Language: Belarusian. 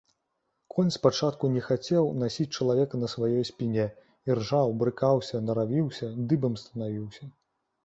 Конь спачатку не хацеў насіць чалавека на сваёй спіне, іржаў, брыкаўся, наравіўся, дыбам станавіўся.